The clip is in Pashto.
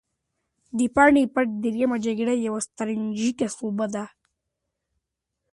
د پاني پت درېیمه جګړه یوه ستراتیژیکه سوبه وه.